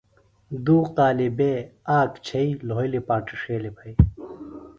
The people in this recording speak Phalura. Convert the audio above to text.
دُو قالب بےۡ آک چھئی لھولیۡ پانٹیۡ ݜیلیۡ پھئیۡ۔